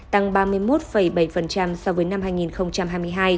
tăng ba mươi một bảy so với năm hai nghìn hai mươi hai